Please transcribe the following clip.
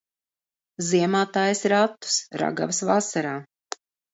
Ziemā taisi ratus, ragavas vasarā.